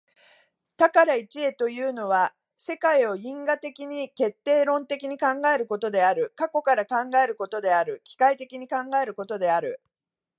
多から一へというのは、世界を因果的に決定論的に考えることである、過去から考えることである、機械的に考えることである。